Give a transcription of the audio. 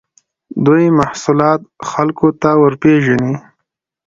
دوی محصولات خلکو ته ورپېژني.